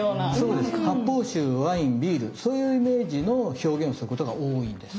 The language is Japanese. そうです発泡酒ワインビールそういうイメージの表現をすることが多いんです。